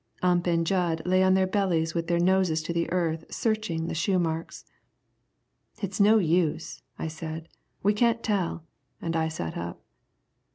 Ump and Jud lay on their bellies with their noses to the earth searching the shoe marks. "It's no use," I said, "we can't tell." And I sat up.